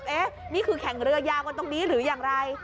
นี่คือแข่งเรือยาวกันตรงนี้หรืออย่างไร